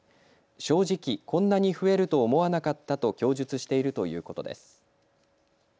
正直、こんなに増えると思わなかったと供述しているということです。